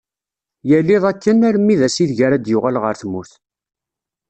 Yal iḍ akken armi d ass ideg ara d-yuɣal ɣer tmurt.